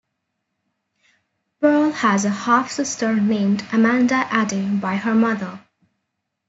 Pearl has a half sister named Amanda Aday by her mother.